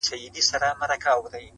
،پر وزرونو مي شغلې د پانوس پور پاته دي،